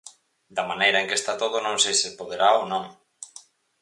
Da maneira en que está todo, non sei se se poderá ou non.